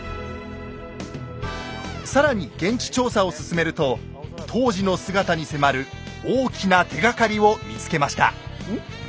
更に現地調査を進めると当時の姿に迫る大きな手がかりを見つけました。